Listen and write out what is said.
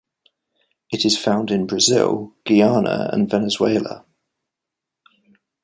It is found in Brazil, Guyana and Venezuela.